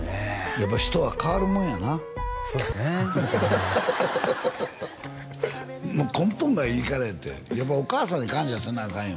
やっぱ人は変わるもんやなそうっすねもう根本がいいからやってお母さんに感謝せなあかんよ